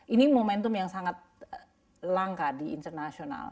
ini momentum yang sangat langka di internasional